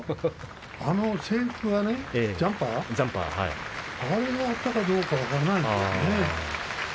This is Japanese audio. あの制服、ジャンパーねあれがあったかどうかは分からないですね。